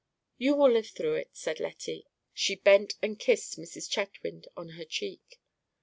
"You will live through it," said Lettie. She bent and kissed Mrs. Chetwynd on her cheek.